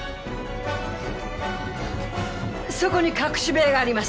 そこに隠し部屋があります。